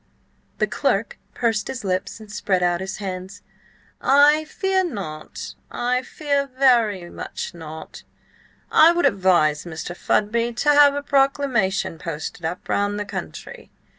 The clerk pursed his lips and spread out his hands. "I fear not; I very much fear not. I would advise Mr. Fudby to have a proclamation posted up round the country."